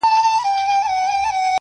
خو هرګوره د انسان دغه آیین دی -